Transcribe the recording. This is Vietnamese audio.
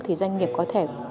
thì doanh nghiệp có thể đồng ý